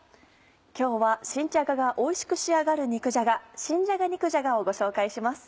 今日は新じゃががおいしく仕上がる肉じゃが「新じゃが肉じゃが」をご紹介します。